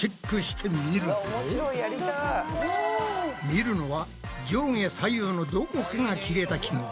見るのは上下左右のどこかが切れた記号。